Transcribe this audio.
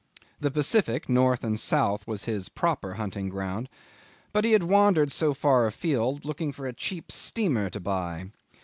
The Pacific, north and south, was his proper hunting ground; but he had wandered so far afield looking for a cheap steamer to buy.